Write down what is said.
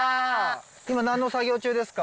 今何の作業中ですか？